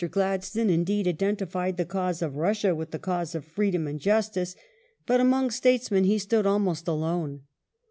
Gladstone indeed identified the cause of Russia with the causes of freedom and justice, but among statesmen he stood almost alone.